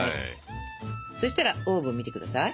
そしたらオーブン見て下さい。